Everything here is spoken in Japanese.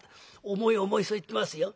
重い重いそう言ってますよ。